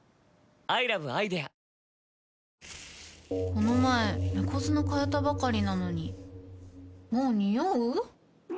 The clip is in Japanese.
この前猫砂替えたばかりなのにもうニオう？